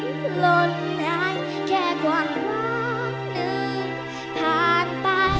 ท่อนที่พี่ชอบวิสูจน์ที่พี่อยากจะชมออกัสคือ